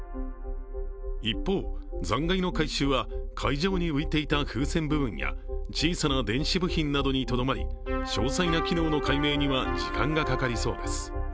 一方、残骸の回収は、海上に浮いていた風船部分や小さな電子部品などにどとまり詳細な機能の解明には時間がかかりそうです。